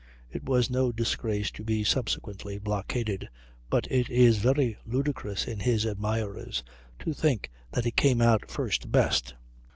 It was no disgrace to be subsequently blockaded; but it is very ludicrous in his admirers to think that he came out first best.